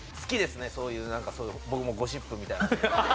そういうなんか僕もゴシップみたいなのが。